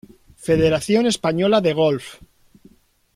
Federación Española de Golf.